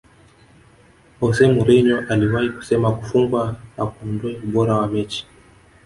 jose mourinho aliwahi kusema kufungwa hakuondoi ubora wa mechi